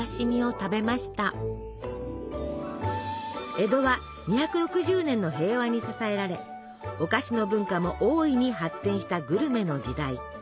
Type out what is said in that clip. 江戸は２６０年の平和に支えられお菓子の文化も大いに発展したグルメの時代。